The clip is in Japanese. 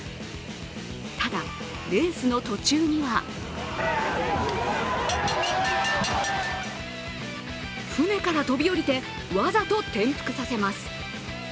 ただ、レースの途中には舟から飛び降りてわざと転覆させます。